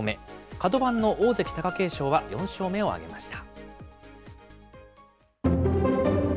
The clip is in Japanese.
角番の大関・貴景勝は４勝目を挙げました。